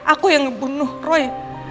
aku yang ngebunuh roy